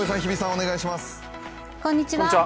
お願いします。